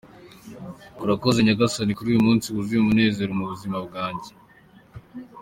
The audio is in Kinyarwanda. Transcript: "Urakoze Nyagasani kuri uyu munsi wuzuye umunezero mu buzima bwanjye !